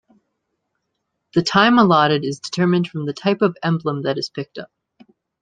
The time allotted is determined from the type of emblem that is picked up.